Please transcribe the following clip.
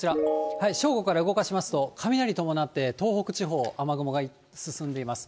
正午から動かしますと、雷伴って東北地方、雨雲が進んでいます。